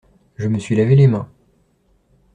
Je me suis lavé les mains.